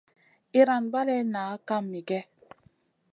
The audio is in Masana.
Iyran balley nah kam miguè.